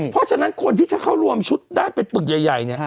เพราะฉะนั้นคนที่จะเข้ารวมชุดได้เป็นปึกใหญ่เนี่ย